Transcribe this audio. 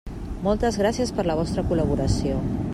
Moltes gràcies per la vostra col·laboració.